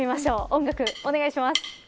音楽、お願いします。